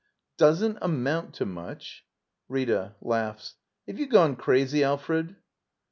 ] Doesn't amount to much? Rita. Have you gone crazy, Al fred?